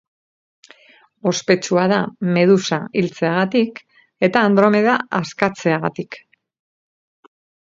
Ospetsua da Medusa hiltzeagatik eta Andromeda askatzeagatik.